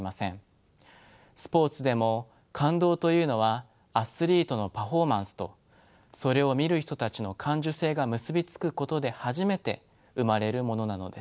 スポーツでも「感動」というのはアスリートのパフォーマンスとそれを見る人たちの感受性が結び付くことで初めて生まれるものなのです。